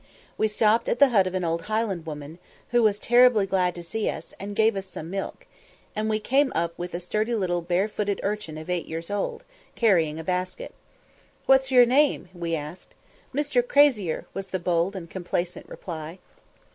We stopped at the hut of an old Highland woman, who was "terribly glad" to see us, and gave us some milk; and we came up with a sturdy little barefooted urchin of eight years old, carrying a basket. "What's your name?" we asked. "Mr. Crazier," was the bold and complacent reply.